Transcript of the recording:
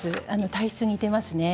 体質は似ています。